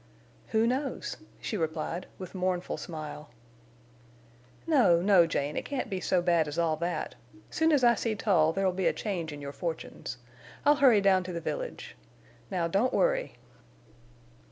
"Who knows!" she replied, with mournful smile. "No, no, Jane, it can't be so bad as all that. Soon as I see Tull there'll be a change in your fortunes. I'll hurry down to the village.... Now don't worry."